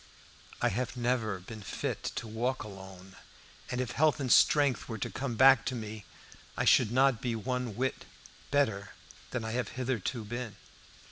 I have never been fit to walk alone, and if health and strength were to come back to me I should not be one whit better than I have hitherto been.